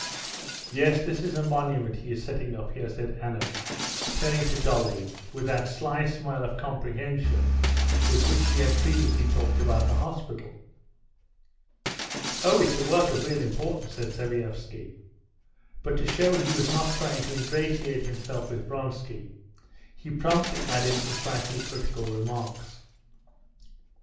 "Yes, this is a monument he is setting up here," said Anna, turning to Dolly with that sly smile of comprehension with which she had previously talked about the hospital. "Oh, it's a work of real importance!" said Sviazhsky. But to show he was not trying to ingratiate himself with Vronsky, he promptly added some slightly critical remarks.